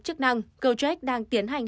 chức năng gojek đang tiến hành